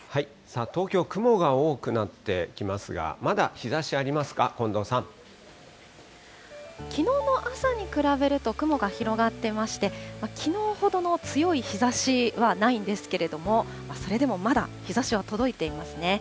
東京、雲が多くなってきますが、きのうの朝に比べると、雲が広がってまして、きのうほどの強い日ざしはないんですけれども、それでもまだ日ざしは届いていますね。